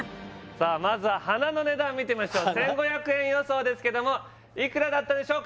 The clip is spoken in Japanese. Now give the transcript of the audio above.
まずは花の値段見てみましょう１５００円予想ですけどもいくらだったでしょうか？